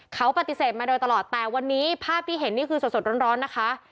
เขาปฏิเสธมาโดยตลอดแต่วันนี้ภาพที่เห็นนี่คือสดร้อนนะคะ